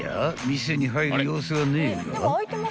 店に入る様子がねえが］